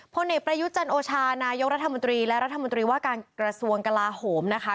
เพราะในประยุจนโอชานายองรัฐมนตรีและรัฐมนตรีว่าการรสวงกระลาหมนะคะ